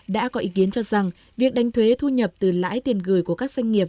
đã có ý kiến cho rằng việc đánh thuế thu nhập từ lãi tiền gửi của các doanh nghiệp